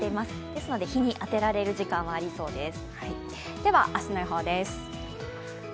ですので、日に当てられる時間はありそうです。